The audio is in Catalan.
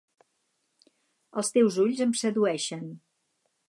Els teus ulls em sedueixen.